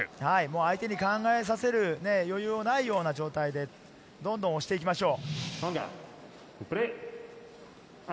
相手に考えさせる余裕のないような状態でどんどん押していきましょう。